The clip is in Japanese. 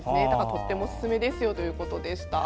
とてもおすすめですよということでした。